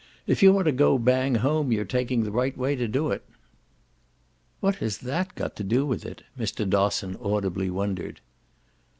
"If you want to go bang home you're taking the right way to do it." "What has that got to do with it?" Mr. Dosson audibly wondered.